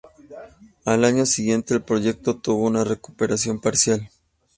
Al año siguiente el proyecto tuvo una recuperación parcial.